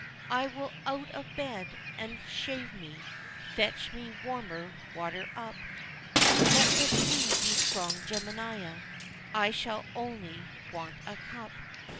I will out of bed and shave me. Fetch me warmer water up! Let the tea be strong, Jemima, I shall only want a cup!